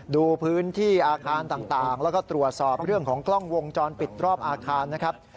ดูพื้นที่อาคารต่างแล้วก็ตรวจสอบเรื่องของกล้องวงจรปิดรอบอาคารนะครับ